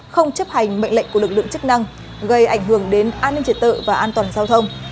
không chấp hành mệnh lệnh của lực lượng chức năng gây ảnh hưởng đến an ninh triệt tự và an toàn giao thông